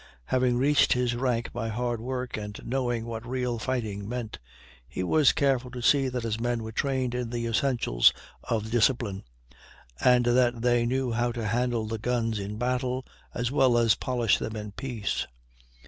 Having reached his rank by hard work, and knowing what real fighting meant, he was careful to see that his men were trained in the essentials of discipline, and that they knew how to handle the guns in battle as well as polish them in peace.